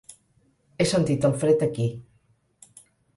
He sentit el fred aquí.